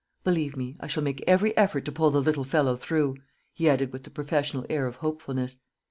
"Believe me, I shall make every effort to pull the little fellow through," he added with the professional air of hopefulness.